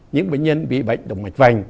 những bệnh nhân bị bệnh đồng mạch vành